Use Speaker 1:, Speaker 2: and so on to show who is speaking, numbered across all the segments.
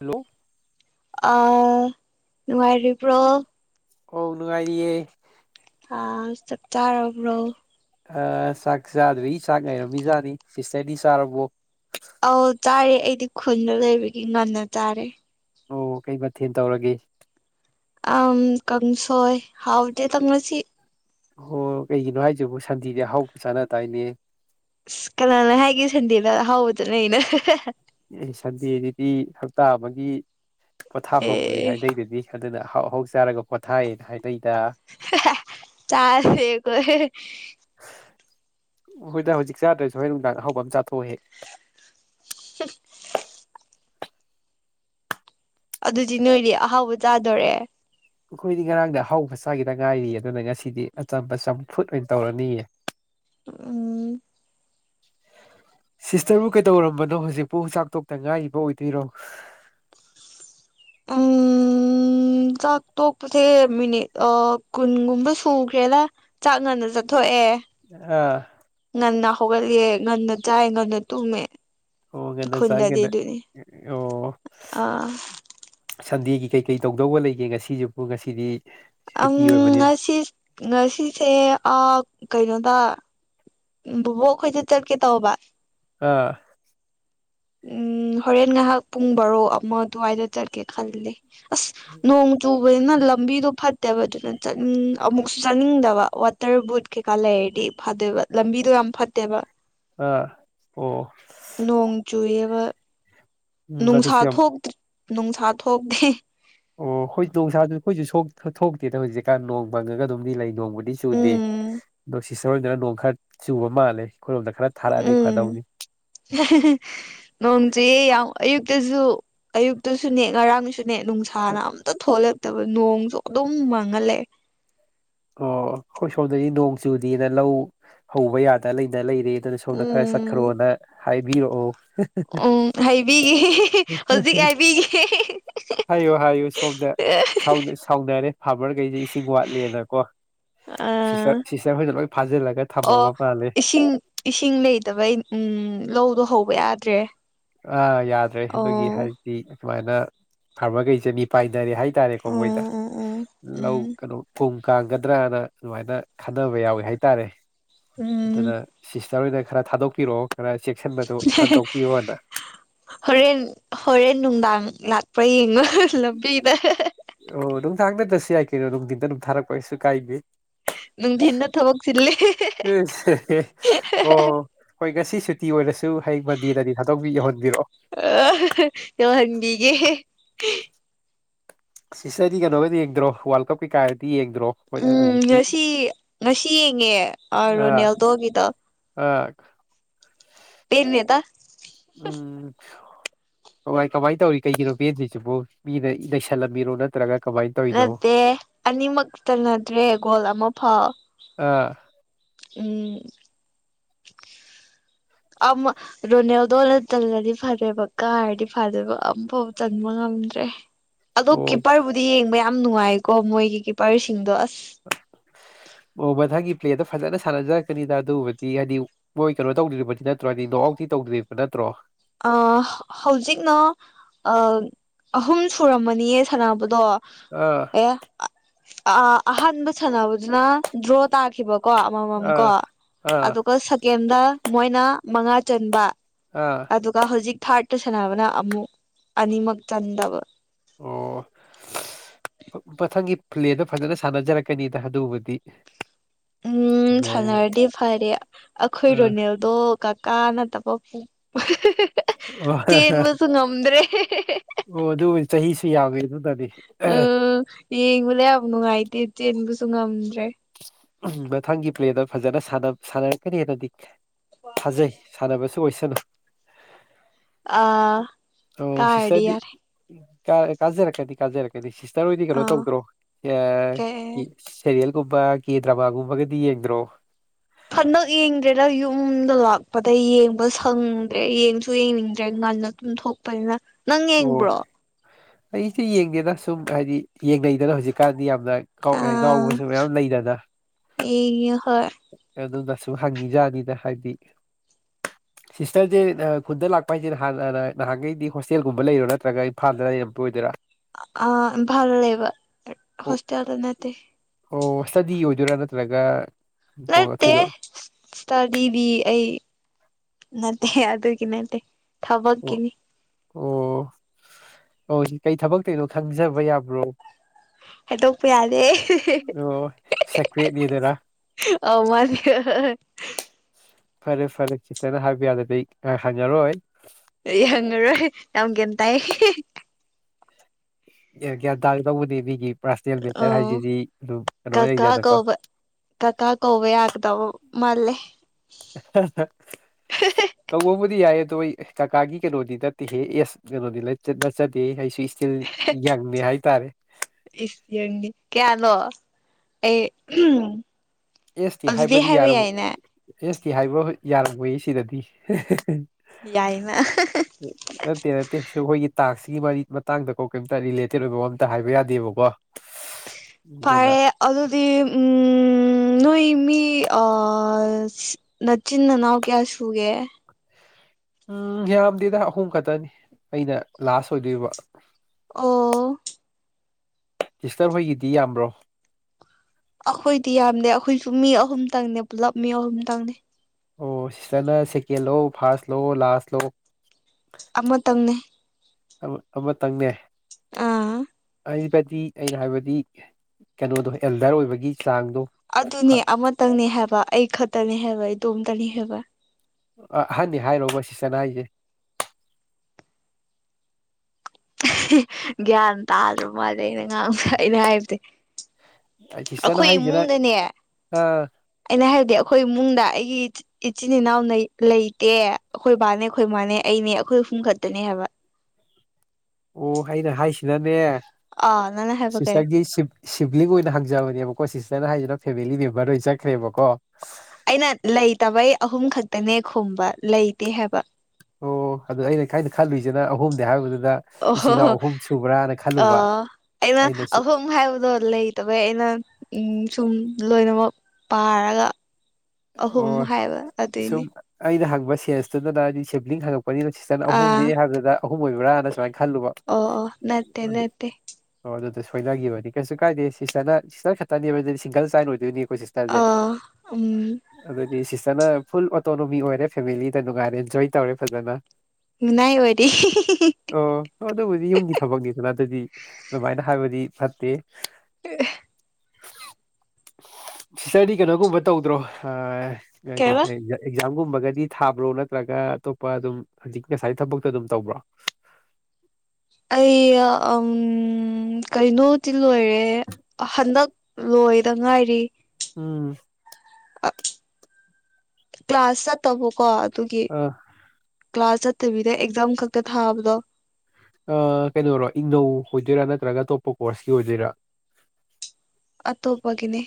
Speaker 1: hello
Speaker 2: ꯑꯥ ꯅꯨꯡꯉꯥꯏꯔꯤꯕ꯭ꯔꯣ
Speaker 1: ꯑꯧ ꯅꯨꯡꯉꯥꯏꯔꯤꯌꯦ
Speaker 2: ꯑꯥ ꯆꯥꯛ ꯆꯥꯔꯕ꯭ꯔꯣ
Speaker 1: ꯆꯥꯛ ꯆꯥꯗꯔꯤ ꯆꯥꯛ ꯉꯩꯔꯝꯃꯤ ꯖꯥꯅꯤ ꯁꯤꯁꯇꯔꯗꯤ ꯆꯥꯔꯕꯣ
Speaker 2: ꯑꯧ ꯆꯥꯔꯦ ꯑꯩꯗꯤ ꯈꯨꯟꯗ ꯂꯩꯕꯒꯤ ꯉꯟꯅ ꯆꯥꯔꯦ
Speaker 1: ꯑꯣ ꯀꯩ ꯃꯊꯦꯜ ꯇꯧꯔꯒꯦ
Speaker 2: ꯑ ꯀꯪꯁꯣꯏ ꯍꯥꯎꯇꯦꯗ ꯉꯁꯤ
Speaker 1: ꯍꯣ ꯀꯩꯒꯤꯅꯣ ꯍꯥꯏꯖꯤꯕꯣ ꯁꯟꯗꯦꯗꯤ ꯍꯥꯎ ꯆꯥꯅ ꯗꯥꯏꯅꯦ
Speaker 2: ꯑꯁ ꯀꯅꯥꯅ ꯍꯥꯏꯒꯦ ꯁꯟꯗꯦꯗ ꯍꯥꯎꯕ ꯆꯠꯅꯩꯅ
Speaker 1: ꯑꯦ ꯁꯟꯗꯦꯖꯤꯗꯤ ꯍꯞꯇꯥ ꯑꯃꯒꯤ ꯄꯣꯊꯥꯐꯝꯅꯤ
Speaker 2: ꯑꯦ
Speaker 1: ꯍꯥꯏꯅꯩꯗꯨꯗꯤ ꯑꯗꯨꯅ ꯑꯍꯥꯎ ꯑꯍꯥꯎ ꯆꯥꯔꯒ ꯄꯣꯊꯥꯏ ꯍꯥꯏꯅꯩꯗ
Speaker 2: ꯆꯥꯗꯦ ꯑꯦꯈꯣꯏ
Speaker 1: ꯍꯣꯏꯗ ꯍꯧꯖꯤꯛ ꯆꯥꯗ꯭ꯔꯁꯨ ꯍꯣꯔꯦꯟ ꯅꯨꯡꯗꯥꯡ ꯑꯍꯧꯕ ꯑꯝ ꯆꯥꯊꯣꯛꯑꯣꯍꯦꯛ
Speaker 2: [unintelligible] ꯑꯗꯨꯗꯤ ꯅꯣꯏꯗꯤ ꯑꯍꯥꯎꯕ ꯆꯥꯗꯣꯔꯦ
Speaker 1: ꯑꯈꯣꯏꯗꯤ ꯉꯔꯥꯡꯗ ꯑꯥꯎꯕ ꯆꯥꯒꯤꯗ ꯉꯥꯏꯔꯤ ꯑꯗꯨꯅ ꯉꯁꯤꯗꯤ ꯑꯆꯝꯕ ꯆꯝꯐꯨꯠ ꯑꯣꯏꯟ ꯇꯧꯔꯅꯤꯌꯦ
Speaker 2: ꯎꯝ
Speaker 1: ꯁꯤꯁꯇꯔꯕꯨ ꯀꯩꯗꯧꯔꯝꯕꯅꯣ ꯍꯧꯖꯤꯛꯄꯨ ꯆꯥꯛꯇꯣꯛꯇ ꯉꯥꯏꯔꯤꯕ ꯑꯣꯏꯗꯨꯏꯔꯣ
Speaker 2: ꯎꯝ ꯎꯝ ꯆꯥꯛ ꯇꯣꯛꯄꯁꯦ ꯃꯤꯅꯤꯠ ꯑ ꯀꯨꯟꯒꯨꯝꯕ ꯁꯨꯈ꯭ꯔꯦꯂ ꯆꯥꯛ ꯉꯟꯅ ꯆꯠꯊꯣꯛꯑꯦ
Speaker 1: ꯑ
Speaker 2: ꯉꯟꯅ ꯍꯧꯒꯠꯂꯤꯌꯦ ꯉꯟꯅ ꯆꯥꯏ ꯉꯟꯅ ꯇꯨꯝꯃꯦ
Speaker 1: ꯑꯣ ꯉꯟꯅ ꯆꯥꯏ
Speaker 2: ꯈꯨꯟꯗꯗꯤ
Speaker 1: ꯉꯟꯅ
Speaker 2: ꯑꯗꯨꯅꯤ
Speaker 1: ꯑꯣ
Speaker 2: ꯑꯥ
Speaker 1: ꯁꯟꯗꯦꯒꯤ ꯀꯩꯀꯩ ꯇꯧꯗꯧꯕ ꯂꯩꯒꯦ ꯉꯁꯤꯖꯤꯕꯨ ꯉꯁꯤꯗꯤ
Speaker 2: ꯑꯪ
Speaker 1: ꯁꯨꯇꯤ ꯑꯣꯏꯕꯅꯤꯅ
Speaker 2: ꯉꯁꯤ ꯉꯁꯤꯁꯦ ꯑ ꯀꯩꯅꯣꯗ ꯎꯝ ꯚꯨꯕꯣꯛ ꯈꯣꯏꯗ ꯆꯠꯀꯦ ꯇꯧꯕ
Speaker 1: ꯑꯥ
Speaker 2: ꯎꯝ ꯍꯣꯔꯦꯟ ꯉꯥꯍꯥꯛ ꯄꯨꯡ ꯕꯥꯔꯣ ꯑꯃ ꯑꯗꯨꯋꯥꯏꯗ ꯆꯠꯀꯦ ꯈꯜꯂꯦ ꯑꯁ ꯅꯣꯡ ꯆꯨꯕꯅꯤꯅ ꯂꯝꯕꯤꯗꯣ ꯐꯠꯇꯦꯕ ꯑꯗꯨꯅ ꯆꯠ ꯑꯃꯨꯛꯁ ꯆꯠꯅꯤꯡꯗꯕ ꯋꯥꯇꯔ ꯕꯨꯠ ꯀꯩꯀꯥ ꯂꯩꯔꯗꯤ ꯐꯗꯣꯏꯕ ꯂꯝꯕꯤꯗꯣ ꯌꯥꯝ ꯐꯠꯇꯦꯕ
Speaker 1: ꯑꯥ ꯑꯣ
Speaker 2: ꯅꯣꯡ ꯆꯨꯌꯦꯕ
Speaker 1: ꯎꯝ
Speaker 2: ꯅꯨꯡꯁꯥ
Speaker 1: ꯑꯗꯨꯁꯨ ꯌꯥꯝ
Speaker 2: ꯊꯣꯛꯇ꯭ꯔꯤ ꯅꯨꯡꯁꯥ ꯊꯣꯛꯇꯦ
Speaker 1: ꯑꯣ ꯍꯣꯏ ꯅꯣꯡꯁꯥꯗꯨ ꯈꯣꯏꯖꯨ ꯁꯣꯛ ꯊꯣꯛꯇꯦꯗ ꯍꯧꯖꯤꯛꯀꯥꯟ ꯅꯣꯡ ꯃꯪꯉꯒ ꯑꯗꯨꯝꯗꯤ ꯂꯩ ꯅꯣꯡꯕꯨꯗꯤ ꯆꯨꯗꯦ
Speaker 2: ꯎꯝ
Speaker 1: ꯅꯣꯡꯁꯤ ꯁꯣꯔꯅ ꯅꯣꯡ ꯈꯔ ꯆꯨꯕ ꯃꯥꯜꯂꯦ ꯈꯣꯏꯔꯣꯝꯗ ꯈꯔ ꯊꯥꯔꯛꯑꯗꯤ
Speaker 2: ꯎꯝ
Speaker 1: ꯐꯗꯧꯅꯤ
Speaker 2: ꯅꯣꯡ ꯆꯨꯌꯦ ꯌꯥꯝ ꯑꯌꯨꯛꯇꯁꯨ ꯑꯌꯨꯛꯇꯁꯨꯅꯦ ꯉꯔꯥꯡꯁꯨ ꯅꯦ ꯅꯨꯡꯁꯥꯅ ꯑꯝꯇ ꯊꯣꯛꯂꯛꯇꯕ ꯅꯣꯡꯁꯨ ꯑꯗꯨꯝ ꯃꯥꯡꯉꯂꯩ
Speaker 1: ꯑꯣ ꯈꯣꯏ ꯁꯣꯝꯗꯗꯤ ꯅꯣꯡ ꯆꯨꯗꯦꯅ ꯂꯧ ꯍꯧꯕ ꯌꯥꯗ ꯂꯩꯅ ꯂꯩꯔꯦ ꯑꯗꯨꯅꯁꯨ ꯁꯣꯝꯗ ꯈꯔ
Speaker 2: ꯎꯝ
Speaker 1: ꯆꯛꯈ꯭ꯔꯣꯅ ꯍꯥꯏꯕꯤꯔꯛꯑꯣ
Speaker 2: ꯎꯝ ꯍꯥꯏꯕꯤꯒꯦ ꯍꯧꯖꯤꯛ ꯍꯥꯏꯕꯤꯒꯦ
Speaker 1: ꯍꯥꯏꯌꯣ ꯍꯥꯏꯌꯣ ꯁꯣꯝꯗ ꯁꯥꯎꯅꯔꯦ ꯐꯥꯝꯃꯔꯒꯩꯖꯦ ꯏꯁꯤꯡ ꯋꯥꯠꯂꯦꯅ ꯀꯣ ꯁꯤꯁꯇꯔ
Speaker 2: ꯑꯥ
Speaker 1: ꯁꯤꯁꯇꯔꯍꯣꯏꯅ ꯂꯣꯏ ꯐꯥꯖꯤꯜꯂꯒ
Speaker 2: ꯑꯣ
Speaker 1: ꯊꯝꯃꯕ ꯃꯥꯜꯂꯦ
Speaker 2: ꯏꯁꯤꯡ ꯏꯁꯤꯡ ꯂꯩꯗꯕꯩ ꯎꯝ ꯂꯧꯗꯣ ꯍꯧꯕ ꯌꯥꯗ꯭ꯔꯦ
Speaker 1: ꯑꯥ ꯌꯥꯗ꯭ꯔꯦ ꯑꯗꯨꯒꯤ
Speaker 2: ꯑꯣ
Speaker 1: ꯍꯥꯏꯗꯤ ꯁꯨꯃꯥꯏꯅ ꯐꯥꯔꯃꯔꯒꯩꯁꯦ ꯃꯤ ꯄꯥꯏꯅꯔꯦ ꯍꯥꯏ ꯇꯥꯏꯔꯦꯀꯣ
Speaker 2: ꯎꯝ
Speaker 1: ꯃꯣꯏꯗ
Speaker 2: ꯎꯝ ꯎꯝ
Speaker 1: ꯂꯧ
Speaker 2: ꯎꯝ
Speaker 1: ꯀꯅꯣ ꯐꯨꯡ ꯀꯥꯡꯒꯗ꯭ꯔꯅ ꯑꯗꯨꯃꯥꯏꯅ ꯈꯟꯅꯕ ꯌꯥꯎꯋꯦ ꯍꯥꯏꯇꯥꯔꯦ
Speaker 2: ꯎꯝ
Speaker 1: ꯑꯗꯨꯅ ꯁꯤꯁꯇꯔ ꯑꯣꯏꯅ ꯈꯔ ꯊꯥꯗꯣꯛꯄꯤꯔꯣ ꯈꯔ ꯆꯦꯛꯁꯟꯕꯗꯨ ꯍꯟꯗꯣꯛꯄꯤꯌꯣꯅ
Speaker 2: ꯍꯣꯔꯦꯟ ꯍꯣꯔꯦꯟ ꯅꯨꯡꯗꯥꯡ ꯂꯥꯛꯄ꯭ꯔꯥ ꯌꯦꯡꯉꯣ ꯂꯝꯕꯤꯗ
Speaker 1: ꯑꯣ ꯅꯨꯡꯗꯥꯡ ꯅꯠꯇ꯭ꯔꯁꯨ ꯌꯥꯏ ꯀꯩꯅꯣ ꯅꯨꯡꯊꯤꯟꯗ ꯑꯗꯨꯝ ꯊꯥꯔꯛꯄ ꯀꯩꯁꯨ ꯀꯥꯏꯗꯦ
Speaker 2: ꯅꯨꯡꯊꯤꯜꯗ ꯊꯕꯛ ꯆꯤꯜꯂꯦ
Speaker 1: ꯏꯁ ꯑꯣ ꯍꯣꯏ ꯉꯁꯤ ꯁꯨꯇꯤ ꯑꯣꯏꯔꯁꯨ ꯍꯌꯦꯡ ꯃꯟꯗꯦꯗꯗꯤ ꯊꯥꯗꯣꯛ ꯌꯧꯍꯟꯕꯤꯔꯛꯑꯣ
Speaker 2: ꯑ ꯌꯧꯍꯟꯕꯤꯒꯦ
Speaker 1: ꯁꯤꯁꯇꯔꯗꯤ ꯀꯩꯅꯣꯒꯗꯤ ꯌꯦꯡꯗ꯭ꯔꯣ ꯋꯥꯔꯜ ꯀꯞ ꯀꯩ ꯀꯥꯗꯤ ꯌꯦꯡꯗ꯭ꯔꯣ
Speaker 2: ꯎꯝ
Speaker 1: ꯍꯧꯖꯤꯛꯇꯤ
Speaker 2: ꯉꯁꯤ ꯉꯁꯤ ꯌꯦꯡꯉꯦ ꯑ ꯔꯣꯅꯦꯜꯗꯣꯒꯤꯗꯣ
Speaker 1: ꯑ
Speaker 2: ꯄꯦꯟꯗꯦꯗ
Speaker 1: ꯎꯝ ꯑꯣ ꯀꯃꯥꯏ ꯀꯃꯥꯏꯅ ꯇꯧꯔꯤ ꯀꯩꯒꯤꯅꯣ ꯄꯦꯟꯗ꯭ꯔꯤꯁꯤꯕꯨ ꯃꯤꯅ ꯅꯩꯁꯜꯂꯝꯃꯤꯔꯣ ꯅꯠꯇ꯭ꯔꯒ ꯀꯃꯥꯏꯅ ꯇꯧꯔꯤꯅꯣ
Speaker 2: ꯅꯠꯇꯦ ꯑꯅꯤꯃꯛ ꯆꯟꯅꯗ꯭ꯔꯦ ꯒꯣꯜ ꯑꯃ ꯐꯥꯎ
Speaker 1: ꯑꯥ
Speaker 2: ꯎꯝ ꯑꯃ ꯔꯣꯅꯦꯜꯗꯣꯅ ꯆꯜꯂꯗꯤ ꯐꯗꯣꯏꯕ ꯀꯥꯔꯗꯤ ꯐꯗꯣꯏꯕ ꯑꯝꯐꯥꯎ ꯆꯟꯕ ꯉꯝꯗ꯭ꯔꯦ ꯑꯗꯣ
Speaker 1: ꯑꯣ
Speaker 2: ꯀꯤꯞꯄꯔꯕꯨꯗꯤ ꯌꯦꯡꯕ ꯌꯥꯝ ꯅꯨꯡꯉꯥꯏꯀꯣ ꯃꯣꯏꯒꯤ ꯀꯤꯞꯄꯔꯁꯤꯡꯗꯣ ꯑꯁ
Speaker 1: ꯑꯣ ꯃꯊꯪꯒꯤ ꯄ꯭ꯂꯦꯗꯣ ꯐꯖꯅ ꯁꯥꯟꯅꯖꯔꯛꯀꯅꯤꯗ ꯑꯗꯨꯕꯨꯗꯤ ꯍꯥꯏꯗꯤ ꯃꯣꯏ ꯀꯩꯅꯣ ꯇꯧꯗ꯭ꯔꯤꯕꯗꯤ ꯅꯠꯇ꯭ꯔꯣ ꯍꯥꯏꯗꯤ ꯅꯣꯛ ꯑꯥꯎꯠꯇꯤ ꯇꯧꯗ꯭ꯔꯤꯕ ꯅꯠꯇ꯭ꯔꯣ
Speaker 2: ꯑ ꯍꯧꯖꯤꯛꯅ ꯑ ꯑꯍꯨꯝ ꯁꯨꯔꯝꯃꯅꯤꯌꯦ ꯁꯥꯟꯅꯕꯗꯣ
Speaker 1: ꯑꯥ
Speaker 2: ꯑꯦ ꯑ ꯍꯥꯟꯕ ꯁꯥꯟꯅꯕꯗꯨꯅ ꯗ꯭ꯔꯣ ꯇꯥꯈꯤꯕ ꯀꯣ ꯑꯃꯃꯝ
Speaker 1: ꯑꯥ
Speaker 2: ꯀꯣ
Speaker 1: ꯑꯥ
Speaker 2: ꯑꯗꯨꯒ ꯁꯀꯦꯟꯗ ꯃꯣꯏꯅ ꯃꯉꯥ ꯆꯟꯕ
Speaker 1: ꯑꯥ
Speaker 2: ꯑꯗꯨꯒ ꯍꯧꯖꯤꯛ ꯊꯥꯔꯠꯇ ꯁꯥꯟꯅꯕꯅ ꯑꯃꯨꯛ ꯑꯅꯤꯃꯛ ꯆꯟꯗꯕ
Speaker 1: ꯑꯣ
Speaker 2: [inaudible]
Speaker 1: ꯃꯊꯪꯒꯤ ꯄ꯭ꯂꯦꯗ ꯐꯖꯅ ꯁꯥꯟꯅꯖꯔꯛꯀꯅꯤꯗ ꯑꯗꯨꯕꯨꯗꯤ
Speaker 2: ꯎꯝ
Speaker 1: ꯑꯥ
Speaker 2: ꯁꯥꯟꯅꯔꯗꯤ ꯐꯔꯦ ꯑꯩꯈꯣꯏ
Speaker 1: ꯑꯣ
Speaker 2: ꯔꯣꯅꯦꯜ ꯗꯣ ꯀꯥꯀꯥ ꯅꯠꯇꯕ ꯄꯨ ꯆꯦꯟꯕꯁꯨ ꯉꯝꯗ꯭ꯔꯦ
Speaker 1: ꯑꯣ ꯑꯗꯨꯕꯨꯗꯤ ꯆꯍꯤꯁꯨ ꯌꯥꯝꯃꯦ ꯑꯗꯨꯅꯅꯤ
Speaker 2: ꯎꯝ ꯌꯦꯡꯕꯗ ꯌꯥꯝ ꯅꯨꯡꯉꯥꯏꯇꯦ ꯆꯦꯟꯕꯁꯨ ꯉꯝꯗ꯭ꯔꯦ
Speaker 1: ꯃꯊꯪꯒꯤ ꯄ꯭ꯂꯦꯗ ꯐꯖꯅ ꯁꯥꯟꯅ ꯁꯥꯟꯅꯔꯛꯀꯅꯤꯅꯗꯤ ꯊꯥꯖꯩ ꯁꯥꯟꯅꯕꯁꯨ ꯑꯣꯏꯁꯅꯨ
Speaker 2: ꯑꯥ
Speaker 1: ꯑꯣ
Speaker 2: ꯀꯥꯔꯗꯤ
Speaker 1: ꯁꯤꯁꯇꯔꯗꯤ
Speaker 2: ꯌꯥꯔꯦ
Speaker 1: ꯀꯥ ꯀꯥꯖꯔꯛꯀꯅꯤ ꯀꯥꯖꯔꯛꯀꯅꯤ ꯍꯥꯏꯗꯤ ꯁꯤꯁꯇꯔ ꯍꯣꯏꯗꯤ ꯀꯩꯅꯣ
Speaker 2: ꯑꯥ
Speaker 1: ꯇꯧꯗ꯭ꯔꯣ ꯑ ꯀꯤ
Speaker 2: ꯀꯩ
Speaker 1: ꯁꯦꯔꯤꯌꯦꯜꯒꯨꯝꯕ ꯀꯦ ꯗ꯭ꯔꯃꯥꯒꯨꯝꯕꯒꯗꯤ ꯌꯦꯡꯗ꯭ꯔꯣ
Speaker 2: ꯍꯟꯗꯛ ꯌꯦꯡꯗ꯭ꯔꯦꯗ ꯌꯨꯝꯗ ꯂꯥꯛꯄꯗꯒꯤ ꯌꯦꯡꯕ ꯁꯪꯗ꯭ꯔꯦ ꯌꯦꯡꯁꯨ ꯌꯦꯡꯅꯤꯡꯗ꯭ꯔꯦ ꯉꯟꯅ ꯇꯨꯝ ꯊꯣꯛꯄꯅꯤꯅ ꯅꯪ ꯌꯦꯡꯕ꯭ꯔꯣ
Speaker 1: ꯑꯩꯗꯤ ꯌꯦꯡꯗꯦꯗꯥ ꯁꯨꯝ ꯍꯥꯏꯗꯤ ꯌꯦꯡꯅꯩꯗꯅ ꯍꯧꯖꯤꯛꯀꯥꯟꯗꯤ ꯌꯥꯝꯅ [unintelligible] ꯉꯥꯎꯕꯁꯨ ꯃꯌꯥꯝ ꯂꯩꯗꯅ
Speaker 2: ꯌꯦꯡꯑꯦ ꯍꯣꯏ
Speaker 1: ꯑꯗꯨꯅ ꯁꯨꯝ ꯍꯪꯉꯤꯖꯥꯠꯅꯤꯗ ꯍꯥꯏꯗꯤ
Speaker 2: [inaudible]
Speaker 1: ꯁꯤꯁꯇꯔꯗꯤ ꯑ ꯈꯨꯟꯗ ꯂꯥꯛꯄ ꯍꯥꯏꯖꯦ ꯅꯍꯥꯟ ꯅꯍꯥꯟꯒꯩꯗꯤ ꯍꯣꯁꯇꯦꯜꯒꯨꯝꯕ ꯂꯩꯔꯣ ꯅꯠꯇ꯭ꯔꯒ ꯏꯝꯐꯥꯜꯗ ꯂꯩꯔꯝꯕ ꯑꯣꯏꯗꯣꯏꯔꯥ
Speaker 2: ꯑꯥ ꯏꯝꯐꯥꯜ ꯗ ꯂꯩꯕ
Speaker 1: ꯑꯣ
Speaker 2: ꯍꯣꯁꯇꯦꯜ ꯅꯠꯇꯦ
Speaker 1: ꯑꯣ ꯏ꯭ꯁꯇꯗꯤ ꯑꯣꯏꯗꯣꯏꯔꯥ ꯅꯠꯇ꯭ꯔꯒ ꯑꯇꯣꯞꯄ ꯊꯣꯏꯗꯣꯛ
Speaker 2: ꯏ꯭ꯁꯇꯗꯤꯗꯤ ꯑꯩ ꯅꯠꯇꯦ ꯑꯗꯨꯒꯤ ꯅꯠꯇꯦ
Speaker 1: ꯑꯣ
Speaker 2: ꯊꯕꯛꯀꯤꯅꯤ
Speaker 1: ꯑꯣ ꯑꯣ ꯀꯩ ꯊꯕꯛ ꯇꯩꯅꯣ ꯈꯪꯖꯕ ꯌꯥꯕ꯭ꯔꯣ
Speaker 2: ꯍꯥꯏꯗꯣꯛꯄ ꯌꯥꯗꯦ
Speaker 1: ꯑꯣ ꯁꯦꯀ꯭ꯔꯦꯠꯅꯤꯗꯅ
Speaker 2: ꯑꯧ ꯃꯥꯟꯅꯤ
Speaker 1: ꯐꯔꯦ ꯐꯔꯦ ꯁꯤꯁꯇꯔꯅ ꯍꯥꯏꯕ ꯌꯥꯗ꯭ꯔꯗꯤ ꯑꯩ ꯑ ꯍꯪꯉꯔꯣꯏ
Speaker 2: ꯑꯩ ꯍꯪꯉꯔꯣꯏ ꯌꯥꯝ ꯒꯌ꯭ꯥꯟ ꯇꯥꯏꯌꯦ
Speaker 1: ꯑꯦ ꯒ꯭ꯌꯥꯟ ꯇꯥꯒꯗꯧꯕꯅꯦ ꯃꯤꯒꯤ ꯄꯥꯔꯁ꯭ꯅꯦꯜ ꯃꯦꯇꯔ
Speaker 2: ꯑꯧ
Speaker 1: ꯍꯥꯏꯖꯤꯗꯤ ꯑꯗꯨꯝ ꯀꯩꯅꯣ ꯂꯩꯗꯅꯀꯣ
Speaker 2: ꯀꯥꯀꯥ ꯀꯧꯕ ꯌꯥꯒꯗꯕ ꯃꯜ ꯂꯦ
Speaker 1: [unintelligible] ꯀꯧꯕꯥꯕꯨꯗꯤ ꯌꯥꯏꯌꯦ ꯑꯗꯣ ꯑꯩ ꯀꯥꯀꯥꯒꯤ ꯀꯩꯅꯣꯗꯤ ꯅꯠꯇꯦꯍꯦ ꯑꯦꯁ ꯀꯩꯅꯣꯗꯤ ꯂꯩꯆꯠ ꯅꯠꯆꯗꯦ ꯑꯩꯁ ꯁ꯭ꯇꯤꯜ ꯌꯪꯅꯦ ꯍꯥꯏꯇꯥꯔꯦ
Speaker 2: ꯏꯁ ꯌꯪꯅꯦ ꯀꯌꯥꯅꯣ ꯑꯩ
Speaker 1: ꯑꯦꯁꯇꯤ
Speaker 2: ꯑꯗꯨꯗꯤ
Speaker 1: ꯍꯥꯏꯕꯗꯤ
Speaker 2: ꯍꯥꯏꯕ
Speaker 1: ꯌꯥꯔꯝ
Speaker 2: ꯌꯥꯏꯌꯦꯅ
Speaker 1: ꯑꯦꯁꯇꯤ ꯍꯥꯏꯕ ꯌꯥꯔꯝꯃꯣꯏꯌꯦ ꯁꯤꯗꯗꯤ
Speaker 2: ꯌꯥꯏꯅ
Speaker 1: [unintelligible] ꯅꯠꯇꯦ ꯅꯠꯇꯦ ꯁꯤ ꯑꯩꯈꯣꯏꯒꯤ ꯇꯥꯛꯁꯀꯤ ꯋꯥꯔꯤ ꯃꯇꯥꯡꯗ ꯀꯣ ꯀꯩꯝꯇ ꯔꯤꯂꯦꯇꯦꯠ ꯑꯣꯏꯕ ꯋꯥ ꯑꯝꯇ ꯍꯥꯏꯕ ꯌꯥꯗꯦꯕꯀꯣ ꯑꯗꯨꯅ
Speaker 2: ꯐꯥꯔꯦ ꯑꯗꯨꯗꯤ ꯎꯝ ꯅꯣꯏ ꯃꯤ ꯑꯥ ꯅꯆꯤꯟ ꯅꯅꯥꯎ ꯀꯌꯥ ꯁꯨꯒꯦ
Speaker 1: ꯎꯝ ꯌꯥꯝꯗꯦꯗ ꯑꯍꯨꯝ ꯈꯛꯇꯅꯤ ꯑꯩꯅ ꯂꯥꯁ ꯑꯣꯏꯗꯣꯏꯕ
Speaker 2: ꯑꯣ
Speaker 1: ꯁꯤꯁꯇꯔ ꯍꯣꯏꯒꯤꯗꯤ ꯌꯥꯝꯕ꯭ꯔꯣ
Speaker 2: ꯑꯈꯣꯏꯗꯤ ꯌꯥꯝꯗ ꯑꯈꯣꯏꯁꯨ ꯃꯤ ꯑꯍꯨꯝꯇꯪꯅꯦ ꯄꯨꯂꯞ ꯃꯤ ꯑꯍꯨꯝꯇꯪꯅꯦ
Speaker 1: ꯑꯣ ꯁꯤꯁꯇꯔꯅ ꯁꯦꯀꯦꯟ ꯂꯣ ꯐꯥ꯭ꯔꯁ ꯂꯣ ꯂꯥꯁ ꯂꯣ
Speaker 2: ꯑꯃꯇꯪꯅꯦ
Speaker 1: ꯑꯃ ꯑꯃꯇꯪꯅꯦ
Speaker 2: ꯑꯥ
Speaker 1: ꯑꯩ ꯕꯗꯤ ꯑꯩꯅ ꯍꯥꯏꯕꯗꯤ ꯀꯩꯅꯣꯗꯣ ꯑꯦꯜꯗꯔ ꯑꯣꯏꯕꯒꯤ ꯆꯥꯡꯗꯣ
Speaker 2: ꯑꯗꯨꯅꯦ
Speaker 1: ꯐ-
Speaker 2: ꯑꯃꯇꯪꯅꯦ ꯍꯥꯏꯕ ꯑꯩ ꯈꯛꯇꯅꯦ ꯍꯥꯏꯕ ꯏꯗꯣꯝꯇꯅꯤ ꯍꯥꯏꯕ
Speaker 1: ꯑ ꯑꯍꯟꯅꯤ ꯍꯥꯏꯔꯣꯕ ꯁꯤꯁꯇꯔꯅ ꯍꯥꯏꯁꯦ
Speaker 2: ꯒ꯭ꯌꯥꯟ ꯇꯥꯗ꯭ꯔ ꯃꯥꯜꯂꯦ ꯑꯩꯅ ꯉꯥꯡꯕ ꯑꯩꯅ ꯍꯥꯏꯕꯗꯤ
Speaker 1: ꯁꯤꯁꯇꯔꯅ
Speaker 2: ꯑꯈꯣꯏ
Speaker 1: ꯍꯥꯏꯁꯤꯅ
Speaker 2: ꯏꯃꯨꯡꯗꯅꯦ
Speaker 1: ꯑꯥ
Speaker 2: ꯑꯩꯅ ꯍꯥꯏꯕꯗꯤ ꯑꯈꯣꯏ ꯏꯃꯨꯡꯗ ꯑꯩꯒꯤ ꯏꯆꯤꯟ ꯏꯅꯥꯎ ꯅꯩ ꯂꯩꯇꯦ ꯑꯩꯈꯣꯏ ꯕꯥꯅꯦ ꯑꯩꯈꯣꯏ ꯃꯥꯅꯦ ꯑꯩꯅꯦ ꯑꯩꯈꯣꯏ ꯑꯨꯝ ꯈꯛꯇꯅꯦ ꯍꯥꯏꯕ
Speaker 1: ꯑꯣ ꯑꯩꯅ ꯍꯥꯏꯁꯤꯅꯅꯦ
Speaker 2: ꯑꯥ ꯅꯪꯅ ꯍꯥꯏꯕ ꯀꯩ
Speaker 1: ꯁꯤꯁꯇꯔꯒꯤ ꯁꯤꯞ ꯁꯤꯕ꯭ꯂꯤꯡ ꯑꯣꯏꯅ ꯍꯪꯖꯕꯅꯦꯕꯀꯣ ꯁꯤꯁꯇꯔꯅ ꯍꯥꯏꯖꯤꯅ ꯐꯦꯃꯤꯂꯤ ꯃꯦꯝꯕꯔ‌ ꯑꯣꯏꯟ ꯆꯠꯈ꯭ꯔꯦꯕꯀꯣ
Speaker 2: ꯑꯩꯅ ꯂꯩꯇꯕꯩ ꯑꯍꯨꯝ ꯈꯛꯇꯅꯦ ꯈꯨꯝꯕ ꯂꯩꯇꯦ ꯍꯥꯏꯕ
Speaker 1: ꯑꯣ ꯑꯗꯨ ꯑꯩꯅ ꯀꯥꯏꯅ ꯈꯜꯂꯨꯏꯖꯤꯅ ꯑꯍꯨꯝꯗꯤ ꯍꯥꯏꯕꯗꯨꯗ
Speaker 2: ꯑꯣ ꯍꯣ ꯍꯣ
Speaker 1: ꯏꯆꯤꯟꯅꯥꯎ ꯑꯍꯨꯝ ꯁꯨꯕ꯭ꯔꯥꯅ ꯈꯜꯂꯨꯕ ꯑꯩꯅ ꯁꯤ
Speaker 2: ꯑꯨꯡ ꯍꯥꯏꯕꯗꯣ ꯂꯩꯇꯕꯩ ꯑꯩꯅ ꯎ ꯁꯨꯝ ꯂꯣꯏꯅꯃꯛ ꯄꯥꯔꯒ ꯑꯍꯨꯝ
Speaker 1: ꯑꯣ
Speaker 2: ꯍꯥꯏꯕ ꯑꯗꯨꯏꯅꯤ
Speaker 1: ꯁꯨꯝ ꯑꯩꯅ ꯍꯪꯕ ꯁꯦꯟꯁꯇꯨꯗꯅ ꯍꯥꯏꯗꯤ ꯁꯦꯕ꯭ꯂꯤꯡ ꯍꯪꯉꯛꯄꯅꯤꯅ ꯁꯤꯁꯇꯔꯅ ꯑꯍꯨꯝꯅꯤ
Speaker 2: ꯑꯥ
Speaker 1: ꯍꯥꯏꯕꯗꯨꯗ ꯑꯍꯨꯝ ꯑꯣꯏꯕ꯭ꯔꯥꯅ ꯁꯨꯃꯥꯏꯟ ꯈꯜꯂꯨꯕ
Speaker 2: ꯑꯣ ꯑꯣ ꯅꯠꯇꯦ
Speaker 1: ꯑꯗꯨ
Speaker 2: ꯅꯠꯇꯦ
Speaker 1: ꯑꯣ ꯑꯗꯨꯗ ꯁꯣꯏꯅꯒꯤꯕꯅꯤ ꯀꯩꯁꯨ ꯀꯥꯏꯗꯦ ꯁꯤꯁꯇꯔꯅ ꯁꯤꯁꯇꯔ ꯈꯛꯇꯅꯦꯕ ꯑꯗꯨꯗꯤ ꯁꯤꯡꯒꯜ ꯆꯥꯏꯜ ꯑꯣꯏꯗꯣꯏꯅꯤꯀꯣ ꯁꯤꯁ
Speaker 2: ꯑꯥ ꯎꯝ
Speaker 1: ꯑꯗꯨꯗꯤ ꯁꯤꯁꯇꯔꯅ ꯐꯨꯜ ꯑꯣꯇꯣꯅꯣꯃꯤ ꯑꯣꯏꯔꯦ ꯐꯦꯃꯤꯂꯤꯗ ꯅꯨꯡꯉꯥꯏꯅ ꯑꯦꯟꯖꯣꯏ ꯇꯧꯔꯦ ꯐꯖꯅ
Speaker 2: ꯃꯤꯅꯥꯥꯏ ꯑꯣꯏꯔꯤ
Speaker 1: ꯑꯣ ꯑꯗꯨꯕꯨꯗꯤ ꯌꯨꯝꯒꯤ ꯊꯕꯛꯅꯤꯗꯅ ꯑꯗꯨꯗꯤ ꯑꯗꯨꯃꯥꯏꯅ ꯍꯥꯏꯕꯗꯤ ꯐꯠꯇꯦ
Speaker 2: [unintelligible]
Speaker 1: ꯁꯤꯁꯇꯔꯗꯤ ꯀꯩꯅꯣꯒꯨꯝꯕ ꯇꯧꯗ꯭ꯔꯣ ꯑꯥ
Speaker 2: ꯀꯩꯕ
Speaker 1: [unintelligible] ꯑꯦꯛꯖꯥꯝꯒꯨꯝꯕꯒꯗꯤ ꯊꯥꯕ꯭ꯔꯣ ꯅꯠꯇ꯭ꯔꯒ ꯑꯇꯣꯞꯄ ꯑꯗꯨꯝ ꯍꯧꯖꯤꯛ ꯉꯁꯥꯏ ꯊꯕꯛꯇꯣ ꯑꯗꯨꯝ ꯇꯧꯕ꯭ꯔꯣ
Speaker 2: ꯑꯩ ꯎꯝ ꯀꯩꯅꯣꯗꯤ ꯂꯣꯏꯔꯦ ꯍꯟꯗꯛ ꯂꯣꯏꯗ ꯉꯥꯏꯔꯤ
Speaker 1: ꯎꯝ
Speaker 2: ꯑꯥ ꯀ꯭ꯂꯥꯁ ꯆꯠꯇꯕꯀꯣ ꯑꯗꯨꯒꯤ
Speaker 1: ꯑ
Speaker 2: ꯀ꯭ꯂꯥꯁ ꯆꯠꯇꯕꯤꯗ ꯑꯦꯛꯖꯥꯝ ꯈꯛꯇ ꯊꯥꯕꯗꯣ
Speaker 1: ꯑ ꯀꯩꯅꯣꯔꯣ ꯏꯪꯅꯧ ꯑꯣꯏꯗꯣꯏꯔꯥ ꯅꯠꯇ꯭ꯔꯒ ꯑꯇꯣꯞꯄ ꯀꯣꯔꯁꯀꯤ ꯑꯣꯏꯗꯣꯏꯔꯥ
Speaker 2: ꯑꯇꯣꯞꯄꯒꯤꯅꯤ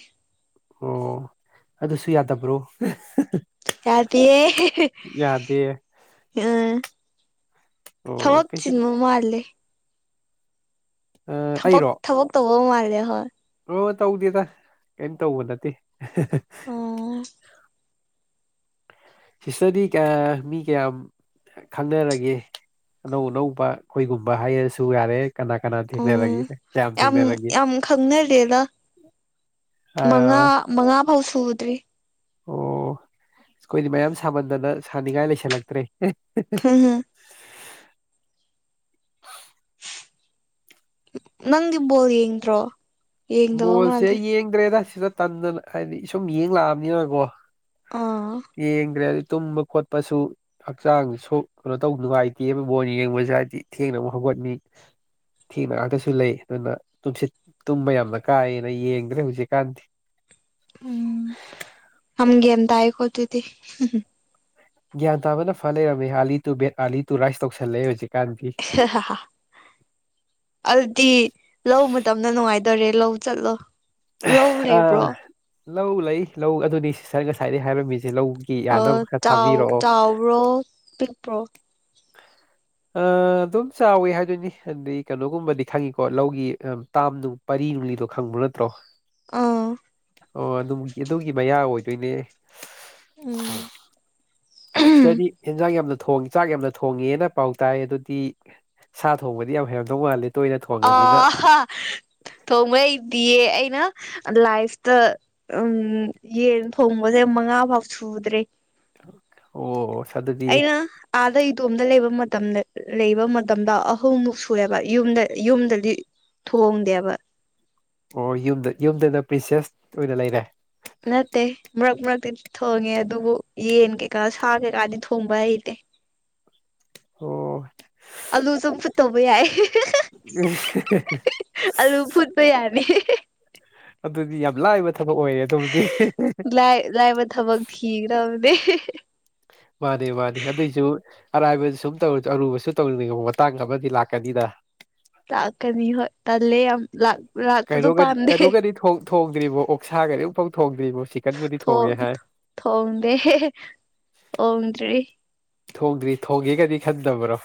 Speaker 1: ꯑꯣ ꯑꯗꯨꯁꯨ ꯌꯥꯗꯕ꯭ꯔꯣ
Speaker 2: ꯌꯥꯗꯤꯌꯦ
Speaker 1: ꯌꯥꯗꯦ
Speaker 2: [unintelligible]
Speaker 1: ꯑꯣ
Speaker 2: ꯊꯕꯛ
Speaker 1: ꯀꯩꯁꯨ
Speaker 2: ꯆꯤꯟꯕ ꯃꯥꯜꯂꯦ
Speaker 1: ꯑ
Speaker 2: ꯊꯕꯛ ꯊꯕꯛ ꯇꯧꯕ ꯃꯥꯜꯂꯦ ꯍꯣꯏ
Speaker 1: ꯕ꯭ꯔꯣ ꯇꯧꯗꯦꯗ ꯀꯩꯝ ꯇꯧꯕ ꯅꯠꯇꯦ
Speaker 2: ꯑꯣ
Speaker 1: ꯁꯤꯁꯇꯔꯗꯤ [unintelligible] ꯃꯤ ꯀꯌꯥꯝ ꯈꯪꯅꯔꯒꯦ ꯑꯅꯧ ꯑꯅꯧꯕ ꯑꯩꯈꯣꯏꯒꯨꯝꯕ ꯍꯥꯏꯔꯁꯨ ꯌꯥꯔꯦ ꯀꯅꯥ ꯀꯅꯥ
Speaker 2: ꯎꯝ
Speaker 1: ꯊꯦꯡꯅꯔꯒꯦ ꯀꯌꯥꯝ
Speaker 2: ꯌꯥꯝ
Speaker 1: ꯊꯦꯡꯅꯔꯒꯦ
Speaker 2: ꯌꯥꯝ ꯈꯪꯅꯔꯦꯗ
Speaker 1: ꯑ
Speaker 2: ꯃꯉꯥ ꯃꯉꯥꯐꯧ ꯁꯨꯗ꯭ꯔꯤ
Speaker 1: ꯑꯣ ꯑꯩꯈꯣꯏꯗꯤ ꯃꯌꯥꯝ ꯁꯥꯃꯟꯗꯅ ꯁꯥꯅꯤꯡꯉꯥꯏ ꯂꯩꯁꯟꯂꯛꯇ꯭ꯔꯦ
Speaker 2: [unintelligible] ꯅꯪꯗꯤ ꯕꯣꯜ ꯌꯦꯡꯗ꯭ꯔꯣ ꯌꯦꯡꯗꯕ
Speaker 1: ꯕꯣꯜꯁꯦ
Speaker 2: ꯃꯥꯜꯂꯦ
Speaker 1: ꯌꯦꯡꯗ꯭ꯔꯦꯗ ꯁꯤꯗ ꯇꯟꯗꯅ ꯍꯥꯏꯗꯤ ꯁꯨꯝ ꯌꯦꯡ ꯂꯥꯛꯑꯕꯅꯤꯅꯀꯣ
Speaker 2: ꯑꯥ
Speaker 1: ꯌꯦꯡꯗ꯭ꯔꯦ ꯑꯗꯩ ꯇꯨꯝꯕ ꯈꯣꯠꯄꯁꯨ ꯍꯛꯆꯥꯡꯖꯨ ꯁꯣꯛ ꯀꯩꯅꯣ ꯇꯧ ꯅꯨꯡꯉꯥꯏꯇꯦꯕ ꯕꯣꯟ ꯌꯦꯡꯕꯖꯦ ꯍꯥꯏꯗꯤ ꯊꯦꯡꯅ ꯑꯃꯨꯛ ꯍꯧꯒꯠꯅꯤ ꯊꯦꯡꯅ ꯉꯥꯛꯇꯁꯨ ꯂꯩ ꯑꯗꯨꯅ ꯇꯨꯝꯁꯤꯠ ꯇꯨꯝꯕ ꯌꯥꯝꯅ ꯀꯥꯏꯌꯦꯅ ꯌꯦꯡꯗ꯭ꯔꯦ ꯍꯧꯖꯤꯛꯀꯥꯟꯗꯤ
Speaker 2: ꯎꯝ ꯌꯥꯝ ꯒ꯭ꯌꯥꯟ ꯇꯥꯏꯀꯣ ꯑꯗꯨꯗꯤ
Speaker 1: ꯒ꯭ꯌꯥꯟ ꯇꯥꯕꯅ ꯐ ꯂꯩꯔꯝꯃꯦ early to bed early to rise ꯇꯧꯁꯜꯂꯦ ꯑꯩ ꯍꯧꯖꯤꯛꯀꯥꯟꯗꯤ
Speaker 2: [unintelligible] ꯑꯗꯨꯗꯤ ꯂꯧ ꯃꯇꯝꯗ ꯅꯨꯡꯉꯥꯏꯗꯣꯔꯦ ꯂꯧ ꯆꯠꯂꯣ ꯂꯧ
Speaker 1: ꯑꯥ
Speaker 2: ꯂꯩꯕ꯭ꯔꯣ
Speaker 1: ꯂꯧ ꯂꯩ ꯂꯧ ꯑꯗꯨꯅꯤ ꯁꯤꯁꯇꯔ ꯉꯁꯥꯏꯗꯩ ꯍꯥꯏꯔꯝꯃꯤꯖꯦ ꯂꯧ
Speaker 2: ꯑꯣ ꯆꯥꯎ ꯆꯥꯎꯕ꯭ꯔꯣ ꯄꯤꯛꯄ꯭ꯔꯣ
Speaker 1: ꯑ ꯑꯗꯨꯝ ꯆꯥꯎꯋꯤ ꯍꯥꯏꯗꯣꯏꯅꯤ ꯑꯗꯩ ꯀꯩꯅꯣꯒꯨꯝꯕꯗꯤ ꯈꯪꯉꯤꯀꯣ ꯂꯧꯒꯤ ꯇꯥꯝ ꯅꯨꯡ ꯄꯔꯤ ꯅꯨꯡꯂꯤꯗꯣ ꯈꯪꯕ ꯅꯠꯇ꯭ꯔꯣ
Speaker 2: ꯑꯥ
Speaker 1: ꯑꯣ ꯑꯗꯨꯃꯨꯛ ꯑꯗꯨꯒꯤ ꯃꯌꯥ ꯑꯣꯏꯗꯣꯏꯅꯦ
Speaker 2: ꯎꯝ
Speaker 1: ꯁꯤꯁꯇꯔꯗꯤ ꯌꯦꯟꯖꯥꯡ ꯌꯥꯝꯅ ꯊꯣꯡ ꯆꯥꯛ ꯌꯥꯝꯅ ꯊꯣꯡꯉꯦꯅ ꯄꯥꯎ ꯇꯥꯏ ꯑꯗꯨꯗꯤ ꯁꯥ ꯊꯣꯡꯕꯗꯤ ꯌꯥꯝ ꯍꯩꯔꯝꯗꯧ ꯃꯥꯂꯦ
Speaker 2: ꯑ ꯊꯣꯡꯕꯥ ꯍꯩꯗꯤꯌꯦ ꯑꯩꯅ ꯂꯥꯏ꯭ꯐꯇ ꯎꯝ ꯌꯦꯟ ꯊꯣꯡꯕꯁꯦ ꯃꯉꯥ ꯐꯥꯎ ꯁꯨꯗ꯭ꯔꯦ
Speaker 1: ꯑꯣ ꯑꯗꯨꯗꯤ
Speaker 2: ꯑꯩꯅ ꯑꯥꯗ ꯏꯇꯣꯝꯗ ꯂꯩꯕ ꯃꯇꯝꯗ ꯂꯩꯕ ꯃꯇꯝꯗ ꯑꯍꯨꯝꯃꯨꯛ ꯁꯨꯑꯦꯕ ꯌꯨꯝꯗ ꯌꯨꯝꯗꯗꯤ ꯊꯣꯡꯗꯦꯕ
Speaker 1: ꯑꯣ ꯌꯨꯝꯗ ꯌꯨꯝꯗꯅ ꯄ꯭ꯔꯤꯟꯁꯦꯁ ꯑꯣꯏꯅ ꯂꯩꯔꯦ
Speaker 2: ꯅꯠꯇꯦ ꯃꯔꯛ ꯃꯔꯛ ꯊꯣꯡꯉꯦ ꯑꯗꯨꯕꯨ ꯌꯦꯟ ꯀꯩꯀꯥ ꯁꯥ ꯀꯩꯀꯥꯗꯤ ꯊꯣꯡꯕ ꯍꯩꯇꯦ
Speaker 1: ꯑꯣ
Speaker 2: ꯑꯂꯨ ꯆꯝꯐꯨꯠꯇꯧꯕ ꯌꯥꯏ
Speaker 1: ꯎ [unintelligible]
Speaker 2: ꯑꯥꯂꯨ ꯐꯨꯠꯄ ꯌꯥꯅꯤ
Speaker 1: ꯑꯗꯨꯗꯤ ꯌꯥꯝ ꯂꯥꯏꯕ ꯊꯕꯛ ꯑꯣꯏꯔꯦ ꯑꯗꯨꯕꯨ
Speaker 2: ꯂꯥꯏ ꯂꯥꯏꯕ ꯊꯕꯛ ꯊꯤꯒꯗꯕꯅꯦ
Speaker 1: ꯃꯥꯅꯦ ꯃꯥꯅꯦ ꯑꯗꯨꯁꯨ ꯑꯔꯥꯏꯕꯗꯨ ꯁꯨꯝ ꯇꯧ ꯑꯔꯨꯕꯁꯨ ꯇꯧꯅꯤꯡꯉꯕ ꯃꯇꯥꯡ ꯑꯃꯗꯤ ꯂꯥꯛꯀꯅꯤꯗ
Speaker 2: ꯂꯥꯛꯀꯅꯤ ꯍꫭꯏ ꯇꯜꯂꯦ ꯌꯥꯝ ꯂꯥ
Speaker 1: ꯀꯩꯅꯒꯗꯤ ꯀꯩꯅꯣꯒꯗꯤ ꯊꯣꯡꯗ꯭ꯔꯤꯕꯣ ꯑꯣꯛꯁꯥꯒꯗꯤ ꯑꯃꯨꯐꯥꯎ ꯊꯣꯡꯗ꯭ꯔꯤꯕꯣ ꯁꯤ
Speaker 2: ꯊꯣꯡ ꯊꯣꯡꯗꯦ ꯊꯣꯡꯗ꯭ꯔꯤ
Speaker 1: ꯊꯣꯡꯗ꯭ꯔꯤ ꯊꯣꯡꯒꯦꯒꯗꯤ ꯈꯟꯠꯇꯕ꯭ꯔꯣ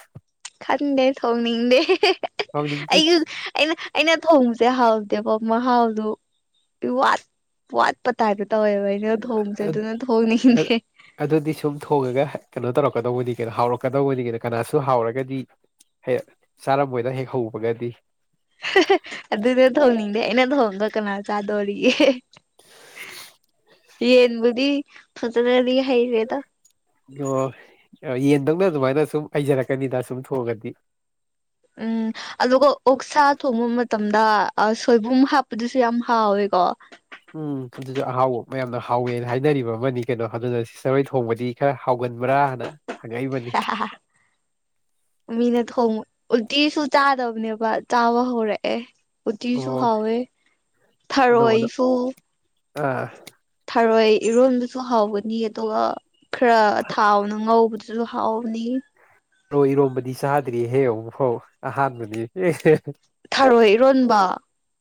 Speaker 2: ꯈꯟꯗꯦ ꯊꯣꯡꯅꯤꯡꯗꯦ
Speaker 1: ꯊꯣꯡꯅꯤꯡꯗꯦ
Speaker 2: ꯑꯩꯁꯨ ꯑꯩꯅ ꯑꯩꯅ ꯊꯣꯡꯕꯁꯦ ꯍꯥꯎꯗꯦꯕ ꯃꯍꯥꯎꯗꯨ ꯋꯥꯠ ꯋꯥꯠꯄ ꯇꯥꯏꯕ ꯇꯧꯋꯦꯕ ꯑꯩꯅ ꯊꯣꯡꯕꯁꯦ
Speaker 1: ꯑ
Speaker 2: ꯑꯗꯨꯅ
Speaker 1: ꯑ
Speaker 2: ꯊꯣꯡꯅꯤꯡꯉꯗꯦ
Speaker 1: ꯑꯗꯨꯗꯤ ꯁꯨꯝ ꯊꯣꯡꯉꯒ ꯀꯩꯅꯣ ꯇꯧꯔꯛꯀꯗꯧꯕꯅꯤ ꯀꯩꯅꯣ ꯍꯥꯎꯔꯛꯀꯗꯧꯕꯅꯤ ꯀꯩꯅꯣ ꯀꯅꯥꯁꯨ ꯍꯥꯎꯔꯒꯗꯤ ꯍꯦꯛ ꯆꯥꯔꯝꯕꯣꯏꯗ ꯍꯦꯛ ꯍꯧꯕꯒꯗꯤ
Speaker 2: ꯑꯗꯨꯗ ꯊꯣꯡꯅꯤꯡꯗꯦ ꯑꯩꯅ ꯊꯣꯡꯒ ꯀꯅꯥ ꯆꯥꯗꯣꯔꯤꯒꯦ
Speaker 1: [inaudible]
Speaker 2: ꯌꯦꯟꯕꯨꯗꯤ ꯐꯖꯅꯗꯤ ꯍꯩꯔꯦꯗ
Speaker 1: ꯑꯣ ꯌꯦꯟꯗꯧꯅ ꯑꯗꯨꯃꯥꯏꯅ ꯁꯨꯝ ꯍꯩꯖꯔꯛꯀꯅꯤꯗ ꯁꯨꯝ ꯊꯣꯡꯑꯒꯗꯤ
Speaker 2: ꯎꯝ ꯑꯗꯨꯒ ꯑꯣꯛꯁꯥ ꯊꯣꯡꯕ ꯃꯇꯝꯗ ꯁꯣꯏꯕꯨꯝ ꯍꯥꯞꯄꯗꯨꯁꯨ ꯌꯥꯝ ꯍꯥꯎꯋꯦꯀꯣ
Speaker 1: ꯎꯝ ꯑꯗꯨꯁꯨ ꯑꯍꯥꯎꯕ ꯃꯌꯥꯝꯅ ꯍꯥꯎꯋꯦꯅ ꯍꯥꯏꯅꯔꯤꯕ ꯑꯃꯅꯤ ꯀꯩꯅꯣ ꯑꯗꯨꯅ ꯁꯤꯁꯇꯔ ꯍꯣꯏ ꯊꯣꯡꯕꯗꯤ ꯈꯔ ꯍꯥꯎꯒꯟꯕ꯭ꯔꯥ ꯍꯥꯏꯅ
Speaker 2: [inaudible] [unintelligible] ꯃꯤꯅ ꯊꯣꯡꯕ ꯎꯇꯤꯁꯨ ꯆꯥꯗꯕꯅꯦꯕ ꯆꯥꯕ ꯍꯧꯔꯛꯑꯦ ꯎꯇꯤꯁꯨ
Speaker 1: ꯑꯣ
Speaker 2: ꯍꯥꯎꯋꯦ
Speaker 1: ꯑꯅꯧ ꯑꯅꯧ
Speaker 2: ꯊꯔꯣꯏꯁꯨ
Speaker 1: ꯑꯥ
Speaker 2: ꯊꯔꯣꯏ ꯏꯔꯣꯟꯕꯁꯨ ꯍꯥꯎꯕꯅꯤ ꯑꯗꯨꯒ ꯈꯔ ꯊꯥꯎꯅ ꯉꯧꯕꯗꯨ ꯁꯨ ꯍꯥꯎꯕꯅꯤ
Speaker 1: ꯊꯔꯣꯏ ꯏꯔꯣꯝꯕꯗꯤ ꯆꯥꯗ꯭ꯔꯤꯍꯦ ꯑꯃꯨꯛꯐꯥꯎ ꯑꯍꯥꯟꯕꯅꯤ
Speaker 2: ꯊꯔꯣꯏ ꯏꯔꯣꯟꯕ